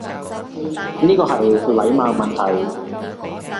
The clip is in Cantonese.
呢個係禮貌問題